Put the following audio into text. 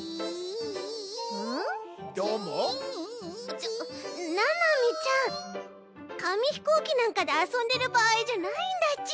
ちょななみちゃんかみひこうきなんかであそんでるばあいじゃないんだち。